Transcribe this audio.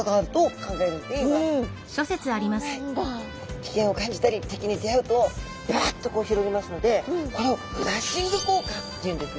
危険を感じたり敵に出会うとバッとこう広げますのでこれをフラッシング効果っていうんですね。